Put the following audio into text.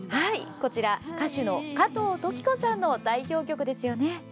こちら、歌手の加藤登紀子さんの代表曲ですよね。